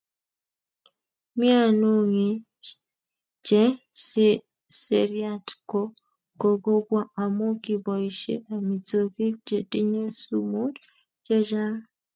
Mianug'ik che seriat ko kokobwa amu kiboishe amitwogik chetinye sumut chechang'